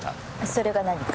それが何か？